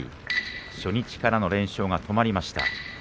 初日からの連勝が止まりました。